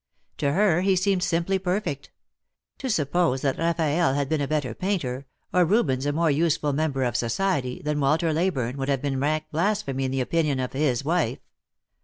To her he seemed simply per fect. To suppose that Eaffaelle had been a better painter, or Rubens a more useful member of society, than Walter Ley burne would have been rank blasphemy in the opinion of his "ife.